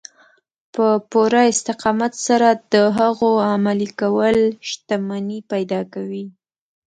په پوره استقامت سره د هغو عملي کول شتمني پيدا کوي.